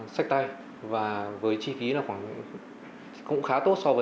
cái đấy cũng là của trung quốc à